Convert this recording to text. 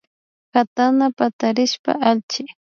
Katana patarishpa allchi